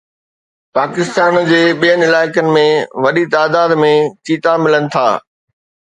پاڪستان جي ٻين علائقن ۾ وڏي تعداد ۾ چيتا ملن ٿا